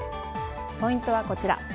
ポイントはこちら。